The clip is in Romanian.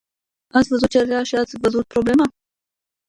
Ați văzut cererea și ați văzut problema.